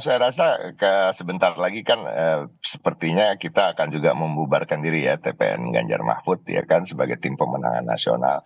saya rasa sebentar lagi kan sepertinya kita akan juga membubarkan diri ya tpn ganjar mahfud ya kan sebagai tim pemenangan nasional